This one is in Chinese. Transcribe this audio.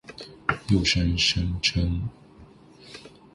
读秀声称其是一个图书检索平台。